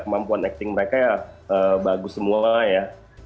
kemampuan acting mereka ya bagus semua ya